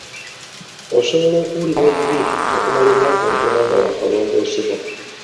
Osobola okuwulira obubi okumala ennaku ntono nga waakalongoosebwa.